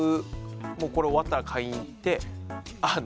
もうこれ終わったら買いに行ってあの。